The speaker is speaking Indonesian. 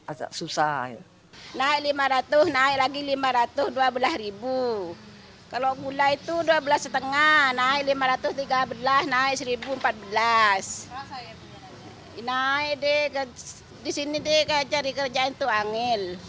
nah di sini jadi kerjaan itu anggil